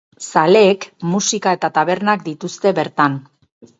Zaleek musika eta tabernak dituzte bertan.